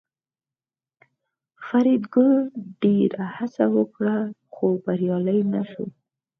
فریدګل ډېره هڅه وکړه خو بریالی نشو